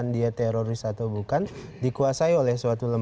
bersalah oleh pengadilan